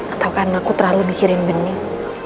atau karena aku terlalu dikirin bening